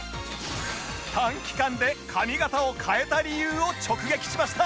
短期間で髪形を変えた理由を直撃しました